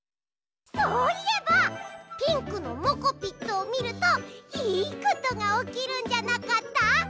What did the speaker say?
そういえばピンクのモコピットをみるといいことがおきるんじゃなかった？